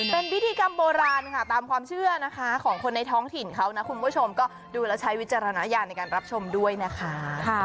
เป็นพิธีกรรมโบราณค่ะตามความเชื่อนะคะของคนในท้องถิ่นเขานะคุณผู้ชมก็ดูแล้วใช้วิจารณญาณในการรับชมด้วยนะคะ